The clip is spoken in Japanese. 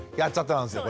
なんですよね。